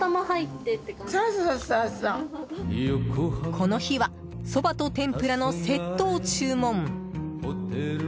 この日はそばと天ぷらのセットを注文。